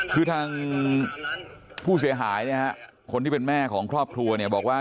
คือทางผู้เสียหายเนี่ยฮะคนที่เป็นแม่ของครอบครัวเนี่ยบอกว่า